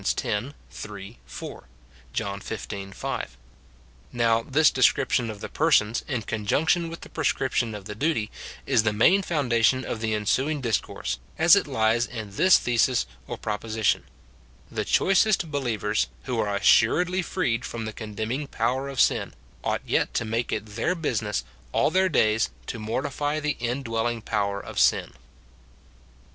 3, 4 ; John xv. 5. Now, this description of the persons, in conjunction with the prescription of the duty, is the main founda tion of the ensuing discourse, as it lies in this thesis or proposition :— The cJwicest helievers, who are assuredly freed from the condemniyig power of sin, ought yet to make it their business all their days to mortify the indwelliyig power of sin.